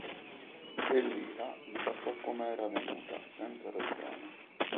E l'ira gli passò come era venuta, senza ragione.